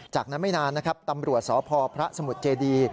จากนั้นไม่นานตำรวจสพสมุทรเจดี